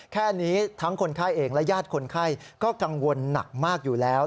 แค่นี้ทั้งคนไข้เองและญาติคนไข้ก็กังวลหนักมากอยู่แล้ว